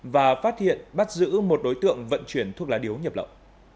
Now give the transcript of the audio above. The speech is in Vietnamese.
và phát hiện bắt giữ một đối tượng vận chuyển thuốc lá điếu nhập lậu